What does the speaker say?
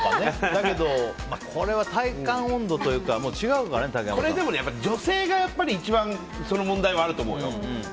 だけどこれは体感温度というか違うからね、竹山さん。それは女性が一番その問題はあると思うよ。